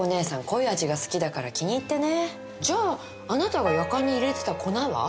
濃い味が好きだから気に入ってねじゃああなたがやかんに入れてた粉は？